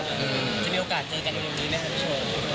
จะมีโอกาสเจอกันอยู่ตรงนี้ไหมครับพี่โชว์